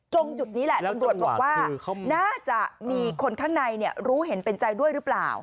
จุดนี้แหละตำรวจบอกว่าน่าจะมีคนข้างในรู้เห็นเป็นใจด้วยหรือเปล่า